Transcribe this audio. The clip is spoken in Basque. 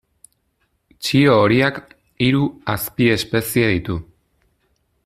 Txio horiak hiru azpiespezie ditu.